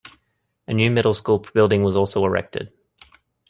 A new middle school building was also erected.